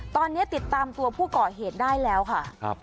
ตอนนี้ติดตามตัวผู้ก่อเหตุได้แล้วค่ะ